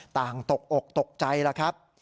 ต่างตกอกตกใจละครับ